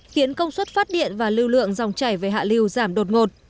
khiến công suất phát điện và lưu lượng dòng chảy về hạ lưu giảm đột ngột